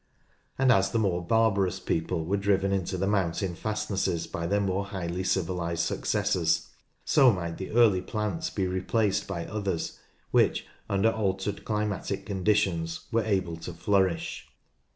And as the more barbarous people were driven into the mountain fastnesses by their more highly civilised successors, so might the early plants be replaced by others which, under altered climatic conditions, were able to flourish.